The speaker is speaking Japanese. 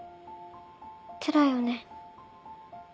つらいよね。